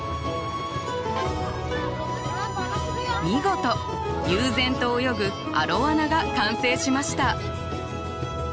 見事悠然と泳ぐアロワナが完成しました！